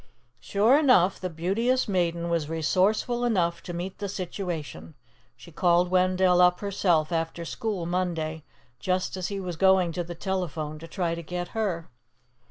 Sure enough, the Beauteous Maiden was resourceful enough to meet the situation. She called Wendell up herself, after school Monday, just as he was going to the telephone to try to get her.